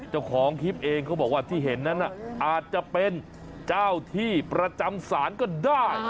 เจ้าของคลิปเองเขาบอกว่าที่เห็นนั้นอาจจะเป็นเจ้าที่ประจำศาลก็ได้